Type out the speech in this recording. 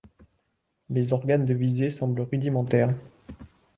Les organes de visée semblent rudimentaires.